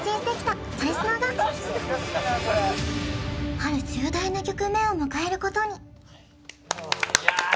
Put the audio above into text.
ある重大な局面を迎えることに。